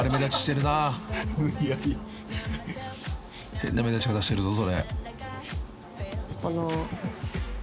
［変な目立ち方してるぞそれ］